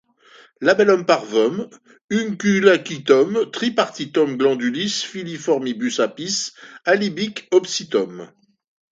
Labellum parvum, unguiculatum, tripartitum, glandulis filiformibus apice alibique obsitum.